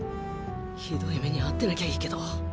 酷い目に遭ってなきゃいいけど。